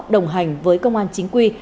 đồng hành với công an chính quy